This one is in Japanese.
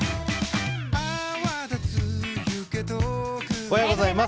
おはようございます。